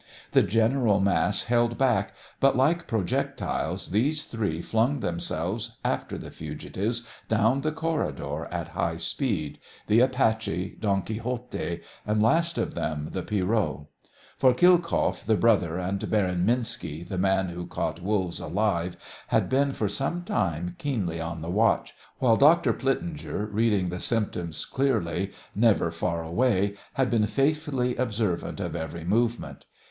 The general mass held back, but, like projectiles, these three flung themselves after the fugitives down the corridor at high speed the Apache, Don Quixote, and, last of them, the Pierrot. For Khilkoff, the brother, and Baron Minski, the man who caught wolves alive, had been for some time keenly on the watch, while Dr. Plitzinger, reading the symptoms clearly, never far away, had been faithfully observant of every movement.